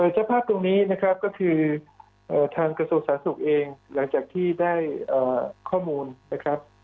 สภาพตรงนี้นะครับก็คือทางกระทรวงสาธารณสุขเองหลังจากที่ได้ข้อมูลนะครับ